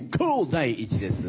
第一」です。